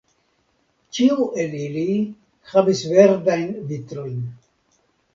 Ĉiu el ili havis verdajn vitrojn.